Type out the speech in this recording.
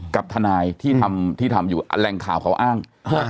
กับทนายที่ทำอยู่อันแหล่งข่าวเขาอ้าง